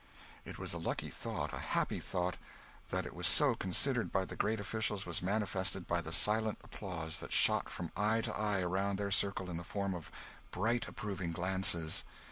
It was a lucky thought, a happy thought. That it was so considered by the great officials was manifested by the silent applause that shot from eye to eye around their circle in the form of bright approving glances.